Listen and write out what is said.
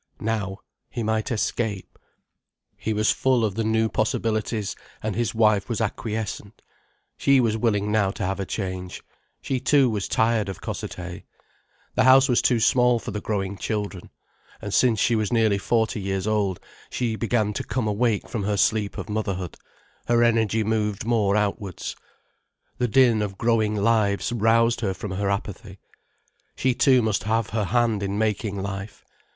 Now he might escape. He was full of the new possibilities, and his wife was acquiescent. She was willing now to have a change. She too was tired of Cossethay. The house was too small for the growing children. And since she was nearly forty years old, she began to come awake from her sleep of motherhood, her energy moved more outwards. The din of growing lives roused her from her apathy. She too must have her hand in making life.